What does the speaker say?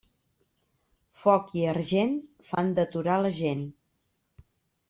Foc i argent fan deturar la gent.